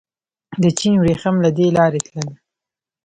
د چین وریښم له دې لارې تلل